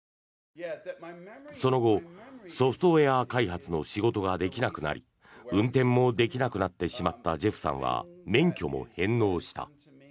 その後、ソフトウェア開発の仕事ができなくなり運転もできなくなってしまったジェフさんは免許も返納した。